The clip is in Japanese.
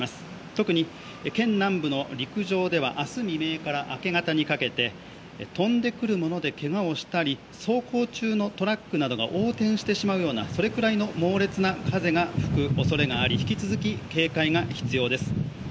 特に県南部の陸上では明日未明から明け方にかけて、飛んでくるものでけがをしたり走行中のトラックなどが横転してしまうようなそれくらいの猛烈な風が吹くおそれがあり引き続き警戒が必要です。